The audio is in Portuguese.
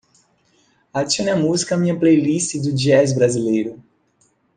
Adicione a música à minha playlist do jazz brasileiro.